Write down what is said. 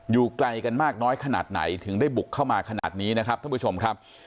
ไกลกันมากน้อยขนาดไหนถึงได้บุกเข้ามาขนาดนี้นะครับท่านผู้ชมครับ